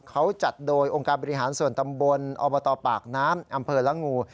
เขาจัดโดยองค์การบริหารส่วนตำบลอบตปากน้ำอำเภอละงู